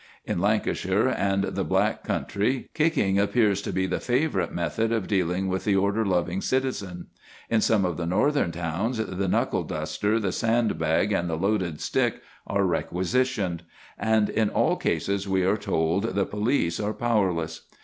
In Lancashire and the Black Country kicking appears to be the favourite method of dealing with the order loving citizen. In some of the northern towns the knuckle duster, the sand bag, and the loaded stick are requisitioned; and in all cases we are told the police are powerless.